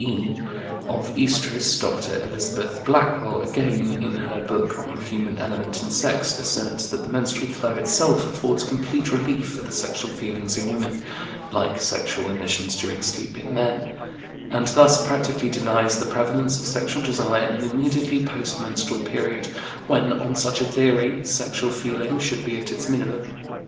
e., of oestrus. Dr. Elizabeth Blackwell, again, in her book on The Human Element in Sex, asserts that the menstrual flow itself affords complete relief for the sexual feelings in women (like sexual emissions during sleep in men), and thus practically denies the prevalence of sexual desire in the immediately post menstrual period, when, on such a theory, sexual feeling should be at its minimum.